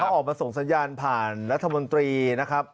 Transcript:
ออกมาส่งสัญญาณผ่านรัฐมนตรีนะครับ